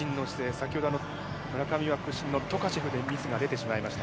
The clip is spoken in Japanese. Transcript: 先ほど村上は屈身のトカチェフでミスが出てしまいました。